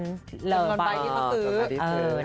จำนวนใบที่เขาซื้อ